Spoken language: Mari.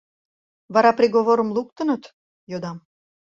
— Вара приговорым луктыныт? — йодам.